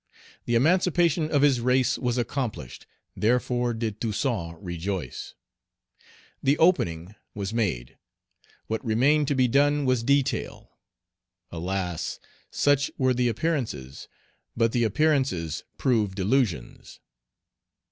The emancipation of his race was accomplished, therefore did Toussaint rejoice. "The opening" was made; what remained to be done was detail. Alas! such were the appearances, but the appearances proved delusions.